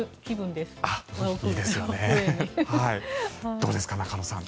どうですか中野さん。